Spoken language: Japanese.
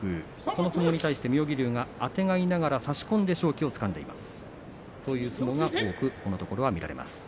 その相撲に対して妙義龍はあてがいながら差し込んで勝機をつかんでいます。